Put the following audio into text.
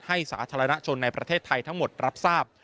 สาธารณชนในประเทศไทยทั้งหมดรับทราบ